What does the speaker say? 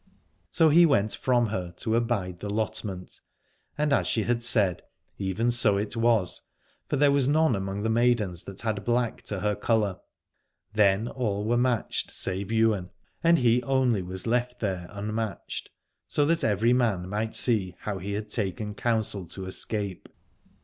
So he went from her to abide the lotment : and as she had said, even so it was, for there 135 Alad ore was none among the maidens that had black to her colour. Then all were matched save Ywain, and he only was left there unmatched : so that every man might see how he had taken counsel to escape.